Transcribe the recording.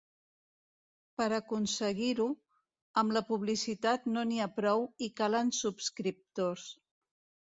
Per aconseguir-ho, amb la publicitat no n’hi ha prou i calen subscriptors.